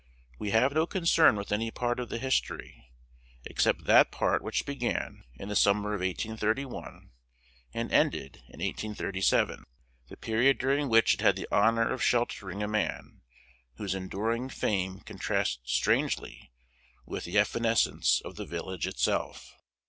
We have no concern with any part of the history, except that part which began in the summer of 1831 and ended in 1837, the period during which it had the honor of sheltering a man whose enduring fame contrasts strangely with the evanescence of the village itself.